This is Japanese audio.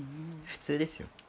普通ですよ。